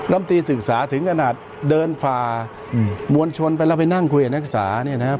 รำตีศึกษาถึงขนาดเดินฝ่าบวนชนไปแล้วไปนั่งคุยอะนักศึกษา